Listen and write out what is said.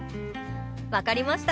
分かりました。